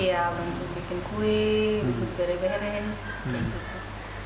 ini juga bantu